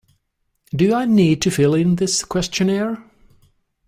Do I need to fill in this questionnaire?